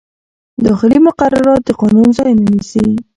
داخلي مقررات د قانون ځای نه نیسي.